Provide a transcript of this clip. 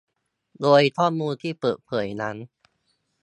โดยข้อมูลที่เปิดเผยนั้น